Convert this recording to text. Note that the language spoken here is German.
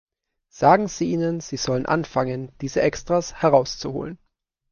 Sagen Sie ihnen, sie sollen anfangen, diese Extras herauszuholen.